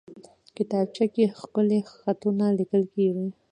کتابچه کې ښکلي خطونه لیکل کېږي